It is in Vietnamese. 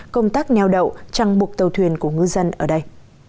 công tác nheo đậu trăng buộc tàu thuyền của ngư dân ở đây